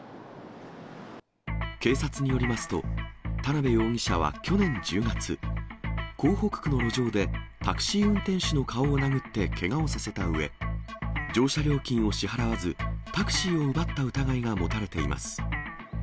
警察によりますと、田辺容疑者は去年１０月、港北区の路上でタクシー運転手の顔を殴ってけがをさせたうえ、乗車料金を支払わず、タクシーを奪った疑いが持たれています。